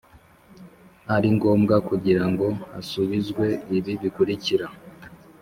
ari ngombwa kugirango hasubizwe ibi bikurikira: